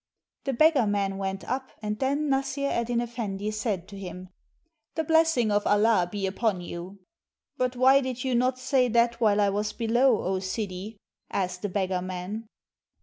The beggar man went up, and then Nassr Eddyn Effendi said to him:' — "The blessing of Allah be upon you!" "But why did you not say that while I was below, O Sidi?" asked the beggar man.